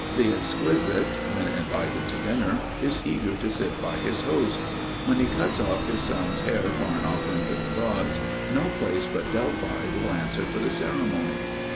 The exquisite when invited to dinner, is eager to sit by his host. When he cuts off his son's hair for an offering to the gods, no place but Delphi will answer for the ceremony.